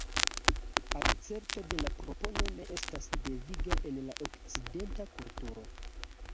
Akcepto de la propono ne estas deviga en la okcidenta kulturo.